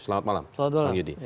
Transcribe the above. selamat malam bang yudi